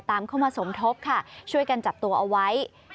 เข้ามาสมทบค่ะช่วยกันจับตัวเอาไว้